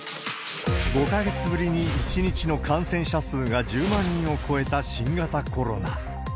５か月ぶりに１日の感染者数が１０万人を超えた新型コロナ。